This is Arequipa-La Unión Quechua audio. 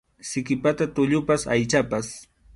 Siki pata tullupas aychapas.